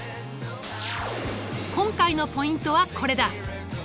今回のポイントはこれだ。